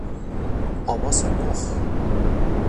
آماس مخ